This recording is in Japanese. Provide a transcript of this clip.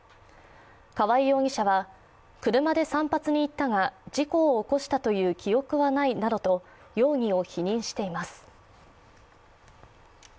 川合容疑者は車で散髪に行ったが事故を起こしたという記憶はないなどと容疑を否認しています。